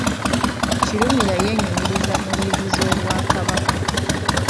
Kirumira yeenyumiriza mu liizi z’Obwakabaka.